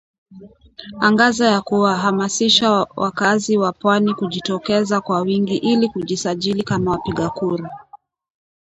angaza ya kuwahamasisha wakaazi wa pwani kujitokeza kwa wingi ili kujisajili kama wapiga kura